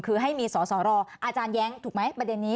คือให้มีสอสอรออาจารย์แย้งถูกไหมประเด็นนี้